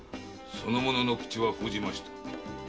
その者の口は封じました。